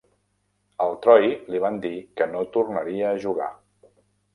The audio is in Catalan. Al Troy li van dir que no tornaria a jugar.